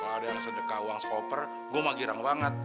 kalau ada yang sedekah uang skoper gue mau girang banget